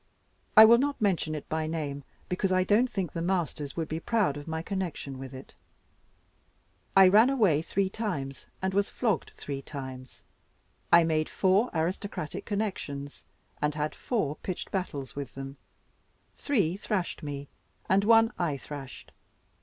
I will not mention it by name, because I don't think the masters would be proud of my connection with it. I ran away three times, and was flogged three times. I made four aristocratic connections, and had four pitched battles with them: three thrashed me, and one I thrashed.